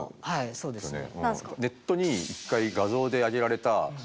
そうですね。